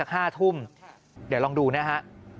ห้าทุ่มเดี๋ยวลองดูนะฮะ